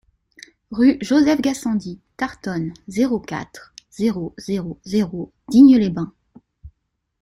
Rue Joseph Gassendy Tartonne, zéro quatre, zéro zéro zéro Digne-les-Bains